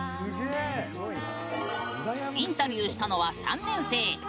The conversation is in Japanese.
インタビューしたのは３年生。